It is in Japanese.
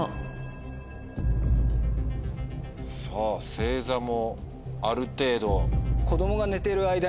星座もある程度？